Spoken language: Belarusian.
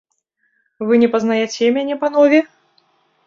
Вы не пазнаяце мяне, панове?